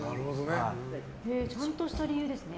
ちゃんとした理由ですね。